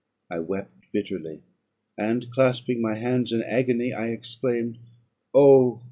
I wept bitterly; and clasping my hands in agony, I exclaimed, "Oh!